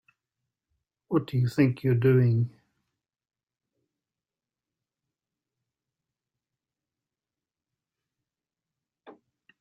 What do you think you're doing?